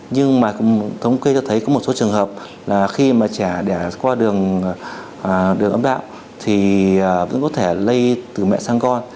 nhưng mà thống kê cho thấy có một số trường hợp là khi mà trẻ đẻ qua đường ấm đạo thì vẫn có thể lây từ mẹ sang con